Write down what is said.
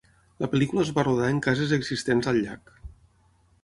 La pel·lícula es va rodar en cases existents al llac.